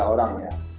tiga orang ya